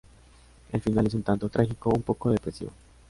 El final es un tanto... trágico, un poco depresivo.